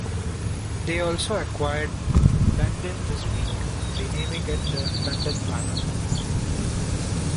They also acquired "London This Week", renaming it the "London Planner".